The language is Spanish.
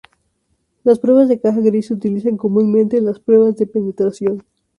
Las pruebas de caja gris se utilizan comúnmente en las Pruebas de penetración.